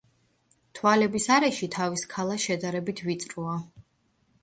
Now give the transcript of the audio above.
თვალების არეში თავის ქალა შედარებით ვიწროა.